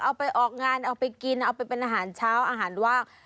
เอาไปออกงานเอาไปกินเอาไปเป็นอาหารเช้าอาหารว่าง